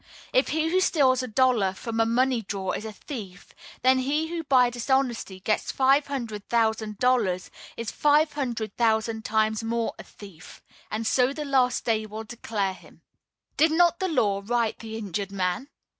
If he who steals a dollar from a money drawer is a thief, then he who by dishonesty gets five hundred thousand dollars is five hundred thousand times more a thief. And so the last day will declare him. Did not the law right the injured man?